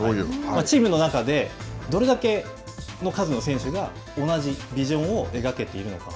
チームの中で、どれだけの数の選手が同じビジョンを描けているのか。